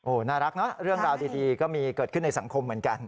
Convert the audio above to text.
น่ารักเนอะเรื่องราวดีก็มีเกิดขึ้นในสังคมเหมือนกัน